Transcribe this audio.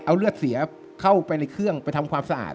เอาเลือดเสียเข้าไปในเครื่องไปทำความสะอาด